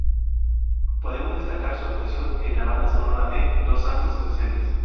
Podemos destacar su actuación en la banda sonora de "Los santos inocentes".